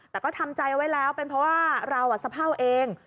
แต่ก็ทำใจเอาไว้แล้วเป็นเพราะว่าเราสะเผ่าเอง